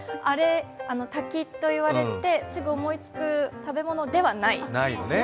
滝と言われてすぐ思いつく食べ物ではないです。